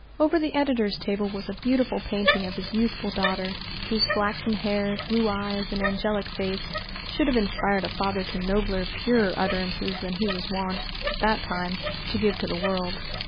Over the editor's table was a beautiful painting of his youthful daughter, whose flaxen hair, blue eyes, and angelic face should have inspired a father to nobler, purer, utterances than he was wont, at that time, to give to the world.